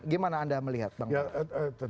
gimana anda melihat bang